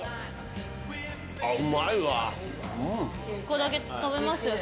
１個だけ食べますよ。